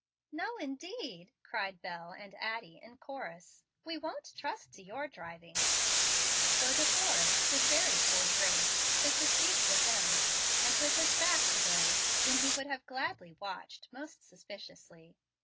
"No, indeed," cried Bel and Addie in chorus; "we won't trust to your driving." So De Forrest, with very poor grace, took his seat with them, and with his back to those whom he would gladly have watched most suspiciously.